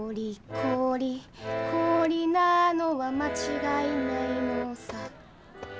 「氷氷氷なのは間違いないのさ」